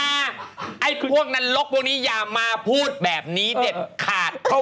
อย่าคว้นลกพวกนี้อย่าควมมาพูดแบบนี้เด็ดขาด